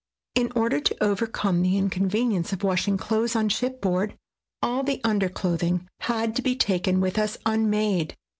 In order to overcome the inconvenience of washing clothes on shipboard, all the underclothing had to be taken with us unmade.